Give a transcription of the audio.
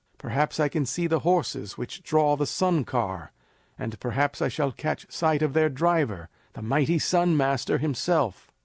Perhaps I can see the horses which draw the sun car, and perhaps I shall catch sight of their driver, the mighty sun master himself."